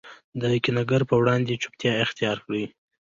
د کینه ګر په وړاندي چوپتیا اختیارکړئ!